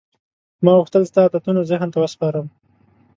ما غوښتل ستا عادتونه ذهن ته وسپارم.